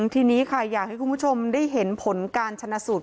ทีนี้ค่ะอยากให้คุณผู้ชมได้เห็นผลการชนะสูตร